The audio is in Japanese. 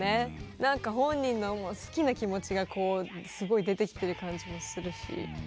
なんか本人の好きな気持ちがすごい出てきてる感じもするし。